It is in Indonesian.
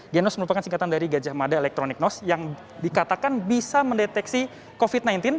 genos merupakan singkatan dari gajah mada electronic nos yang dikatakan bisa mendeteksi covid sembilan belas